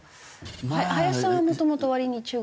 林さんはもともと割に中国。